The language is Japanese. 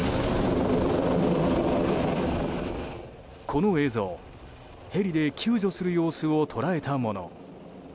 この映像、ヘリで救助する様子を捉えたもの。